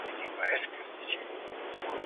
په خوشحالۍ کي افراط کول لیونتوب دی.